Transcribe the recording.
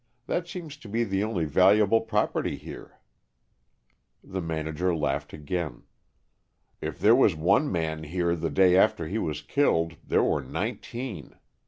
That seems to be the only valuable property here." The manager laughed again. "If there was one man here the day after he was killed there were nineteen.